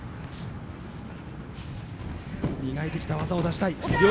磨いてきた技を出したい。